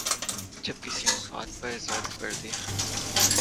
جب کسی مفاد پر زد پڑتی ہے۔